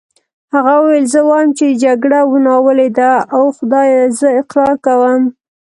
هغه وویل: زه وایم چې جګړه ناولې ده، اوه خدایه زه اقرار کوم.